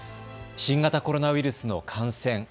新型コロナウイルスの感染。